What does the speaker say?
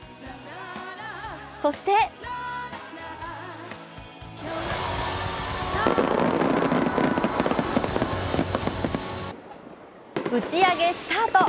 そして打ち上げスタート。